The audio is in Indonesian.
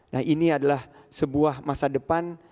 nah ini adalah sebuah masa depan